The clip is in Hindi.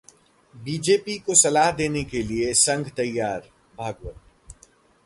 बीजेपी को सलाह देने के लिए संघ तैयार: भागवत